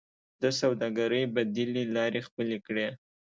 د سوداګرۍ بدیلې لارې خپلې کړئ